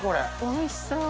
おいしそう！